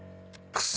・クソ！